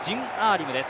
リムです。